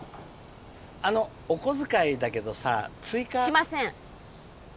あのお小遣いだけどさ追加しません